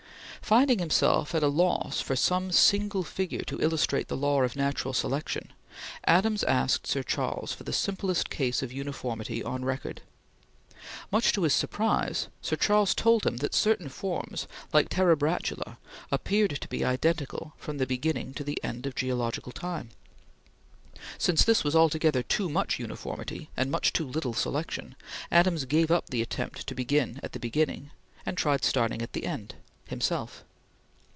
Finding himself at a loss for some single figure to illustrate the Law of Natural Selection, Adams asked Sir Charles for the simplest case of uniformity on record. Much to his surprise Sir Charles told him that certain forms, like Terebratula, appeared to be identical from the beginning to the end of geological time. Since this was altogether too much uniformity and much too little selection, Adams gave up the attempt to begin at the beginning, and tried starting at the end himself.